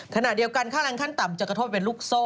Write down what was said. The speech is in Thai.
ขณะเดียวกันค่าแรงขั้นต่ำจะกระทบเป็นลูกโซ่